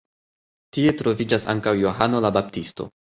Tie troviĝas ankaŭ Johano la Baptisto.